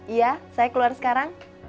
iya saya keluar sekarang